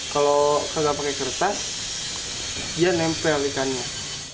kalau tidak pakai kertas dia menempel ikannya